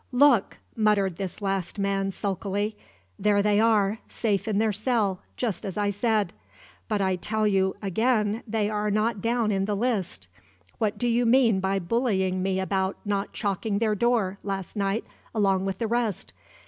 "Look!" muttered this last man sulkily, "there they are, safe in their cell, just as I said; but I tell you again they are not down in the list. What do you mean by bullying me about not chalking their door, last night, along with the rest?